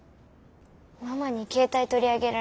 ママに携帯取り上げられて。